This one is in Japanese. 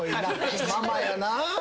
ママやな。